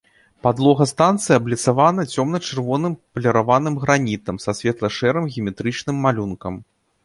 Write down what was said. Падлога станцыі абліцавана цёмна-чырвоным паліраваным гранітам са светла-шэрым геаметрычным малюнкам.